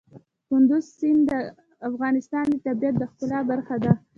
کندز سیند د افغانستان د طبیعت د ښکلا برخه ده.